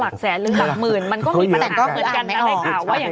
ก็คืออ่านไม่ออก